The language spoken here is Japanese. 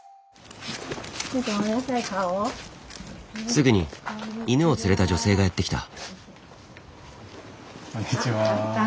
すぐに犬を連れた女性がやって来た。